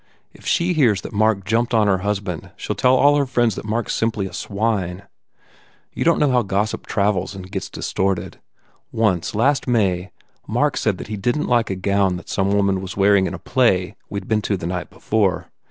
If she hears that Mark jumped on her husband she ll tell all her friends that Mark s simply a swine. You don t know how gossip travels and gets distorted. Once last May Mark said that he didn t like a gown that some woman was wear ing in a play we d been to the night before.